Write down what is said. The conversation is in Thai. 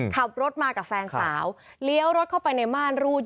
ขับรถมากับแฟนสาวเลี้ยวรถเข้าไปในม่านรูด